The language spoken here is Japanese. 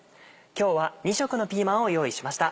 今日は２色のピーマンを用意しました。